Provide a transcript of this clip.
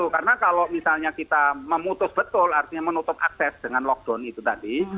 karena kalau misalnya kita memutus betul artinya menutup akses dengan lockdown itu tadi